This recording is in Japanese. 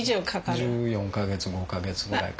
１４か月１５か月ぐらいかかる。